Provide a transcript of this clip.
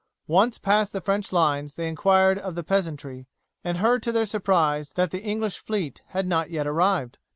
Once past the French lines they inquired of the peasantry, and heard to their surprise that the English fleet had not yet arrived.